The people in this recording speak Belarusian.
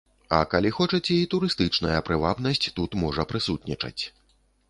А калі хочаце, і турыстычная прывабнасць тут можа прысутнічаць.